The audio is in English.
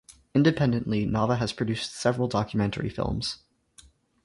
Independently, Nava has produced several documentary films.